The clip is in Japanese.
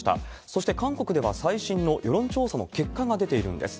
そして韓国では、最新の世論調査の結果が出ているんです。